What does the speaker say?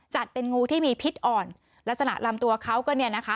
เป็นงูที่มีพิษอ่อนลักษณะลำตัวเขาก็เนี่ยนะคะ